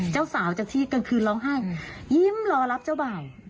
เจ้าสาวจากที่กลางคืนร้องไห้ยิ้มรอรับเจ้าบ่าว